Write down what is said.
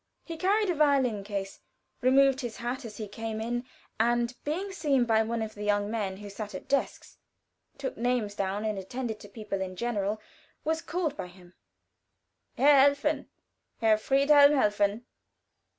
He carried a violin case, removed his hat as he came in, and being seen by one of the young men who sat at desks, took names down, and attended to people in general, was called by him: "Herr Helfen Herr Friedhelm Helfen!"